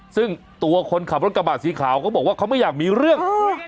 ซึ่งตัวคนขับรถกระบะสีขาวเขาบอกว่าเขาไม่อยากมีเรื่อง